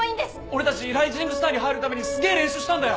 俺たちライジングスターに入るためにすげー練習したんだよ！